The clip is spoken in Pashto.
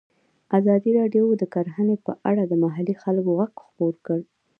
ازادي راډیو د کرهنه په اړه د محلي خلکو غږ خپور کړی.